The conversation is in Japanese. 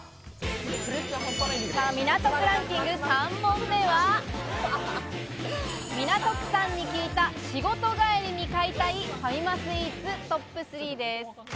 港区ランキング、３問目は、港区さんに聞いた仕事帰りに買いたいファミマスイーツ、トップ３です。